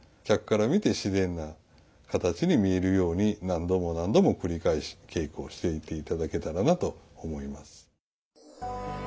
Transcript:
客から見て自然な形に見えるように何度も何度も繰り返し稽古をしていて頂けたらなと思います。